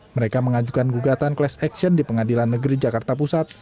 mereka mengajukan gugatan class action di pengadilan negeri jakarta pusat